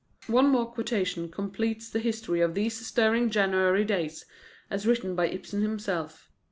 One more quotation completes the history of these stirring January days, as written by Ibsen himself.